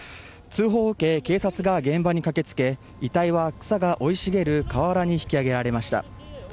通報を受け警察が現場に駆け付け遺体は草が生い茂る河原に引き上げられました。